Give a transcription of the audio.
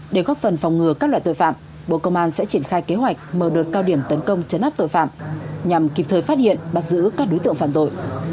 để góp phần phòng ngừa các loại tội phạm bộ công an sẽ triển khai kế hoạch mở đợt cao điểm tấn công chấn áp tội phạm nhằm kịp thời phát hiện bắt giữ các đối tượng phạm tội